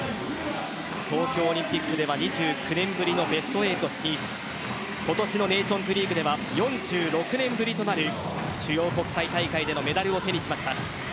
東京オリンピックでは２９年ぶりのベスト８進出今年のネーションズリーグでは４６年ぶりとなる主要国際大会でのメダルを手にしました。